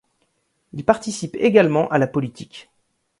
Il participe également à la politique.